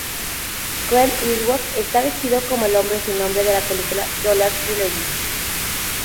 Clint Eastwood está vestido como el hombre sin nombre de las películas "Dollars Trilogy".